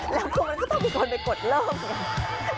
แล้วคงมันก็ต้องมีคนไปกดเริ่ม